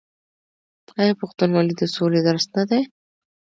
آیا پښتونولي د سولې درس نه دی؟